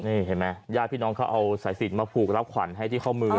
นี่เห็นไหมญาติพี่น้องเขาเอาสายสินมาผูกรับขวัญให้ที่ข้อมือ